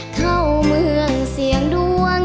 เข้าเมืองเสียงดวง